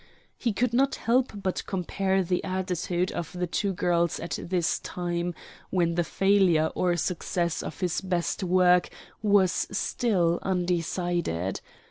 He could not help but compare the attitude of the two girls at this time, when the failure or success of his best work was still undecided.